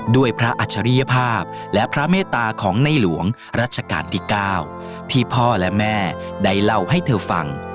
ด้วยพระอัจฉริยภาพและพระเมตตาของในหลวงรัชกาลที่๙ที่พ่อและแม่ได้เล่าให้เธอฟัง